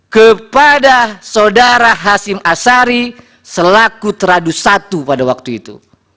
satu ratus empat puluh satu kepada saudara hasim asari selaku teradu satu pada waktu itu